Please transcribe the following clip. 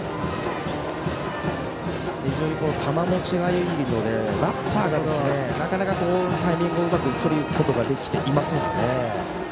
非常に球もちがいいのでバッターがなかなかタイミングをうまくとることができていませんよね。